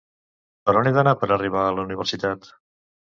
Per on he d'anar per arribar a la universitat?